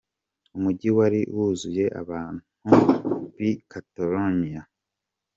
Umujyi wari wuzuye abantu b'i Catalonia .